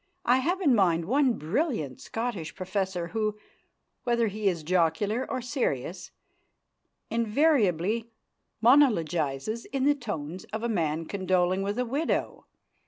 I have in mind one brilliant Scottish professor who, whether he is jocular or serious, invariably monologises in the tones of a man condoling with a widow.